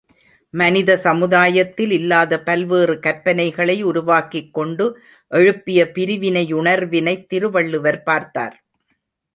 மனித சமுதாயத்தில் இல்லாத பல்வேறு கற்பனைகளை உருவாக்கிக் கொண்டு எழுப்பிய பிரிவினையுணர்வினைத் திருவள்ளுவர் பார்த்தார்.